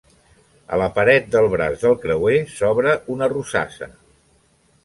A la paret del braç del creuer s'obre una rosassa.